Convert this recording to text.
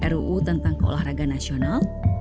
ruu tentang keolahraga nasional